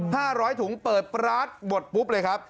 ๕๐๐ถุงเปิดร้านหมดปุ๊บเลยครับ